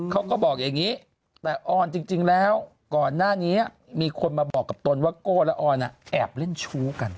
เขาก็บอกอย่างนี้แต่ออนจริงแล้วก่อนหน้านี้มีคนมาบอกกับตนว่าโก้และออนแอบเล่นชู้กัน